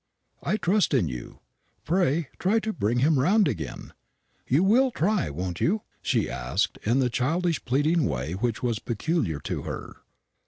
I'll trust in you. Pray try to bring him round again. You will try, won't you?" she asked, in the childish pleading way which was peculiar to her.